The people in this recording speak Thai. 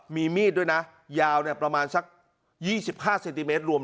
มีมีดด้วยนะยาวเนี่ยประมาณสักยี่สิบห้าเซนติเมตรรวม